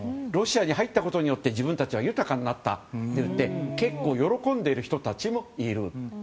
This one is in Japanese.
ロシアに入ったことによって自分たちは豊かになったと喜んでいる人たちも結構いる。